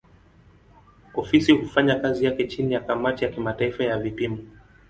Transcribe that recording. Ofisi hufanya kazi yake chini ya kamati ya kimataifa ya vipimo.